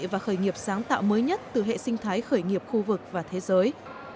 và khởi nghiệp sáng tạo mới nhất từ hệ sinh thái khởi nghiệp khu vực và thế giới